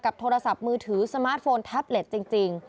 โทรศัพท์มือถือสมาร์ทโฟนแท็บเล็ตจริง